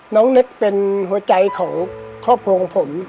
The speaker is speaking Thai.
น้องเน็กเป็นหัวใจของครอบครองผม